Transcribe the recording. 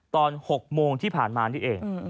ตอน๖โมงที่ผ่านมานี่เอง